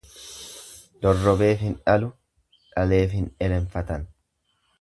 Dorrobeef hin dhalu dhaleef hin elenfatan.